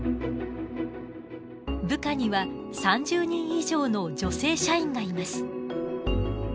部下には３０人以上の女性社員がいます。